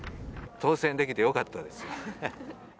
当せんできてよかったですよ。